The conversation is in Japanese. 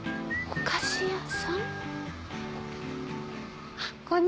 お菓子屋さん？